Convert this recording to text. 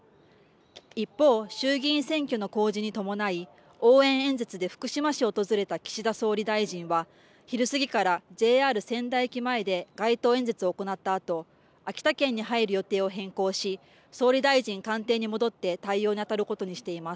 一方、衆議院選挙の公示に伴い応援演説で福島市を訪れた岸田総理大臣は昼過ぎからＪＲ仙台駅前で街頭演説を行ったあと秋田県に入る予定を変更し総理大臣官邸に戻って対応にあたることにしています。